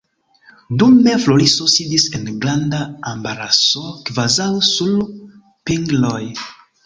Dume Floriso sidis en granda embaraso, kvazaŭ sur pingloj.